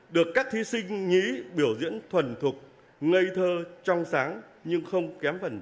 được các thí sinh nhí biểu diễn thuần thục ngây thơ trong sáng nhưng không kém phần